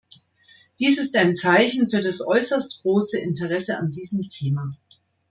Dies ist ein Zeichen für das äußerst große Interesse an diesem Thema.